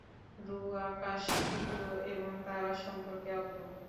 রু আকাশ, সূর্য এবং তারা সম্পর্কে অজ্ঞ।